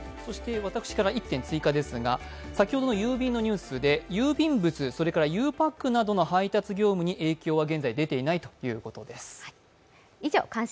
私から１点追加ですが先ほどの郵便のニュースで郵便物、ゆうパックの配達業務に影響は現在出ていないということです。